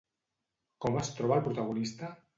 Com es troba el protagonista?